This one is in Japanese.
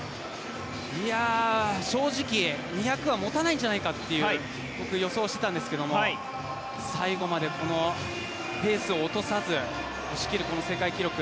いやあ、正直２００は持たないんじゃないかと僕は予想していたんですが最後までこのペースを落とさず押し切るこの世界記録。